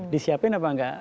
disiapin apa enggak